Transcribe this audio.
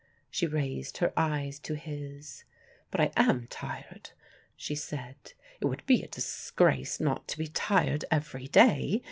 She raised her eyes to his. "But I am tired," she said. "It would be a disgrace not to be tired every day.